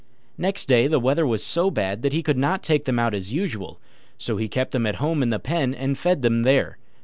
Next day the weather was so bad that he could not take them out as usual: so he kept them at home in the pen, and fed them there.